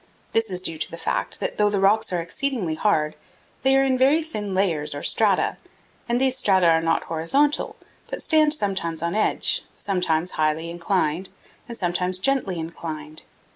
This is due to the fact that though the rocks are exceedingly hard they are in very thin layers or strata, and these strata are not horizontal, but stand sometimes on edge, sometimes highly inclined, and sometimes gently inclined.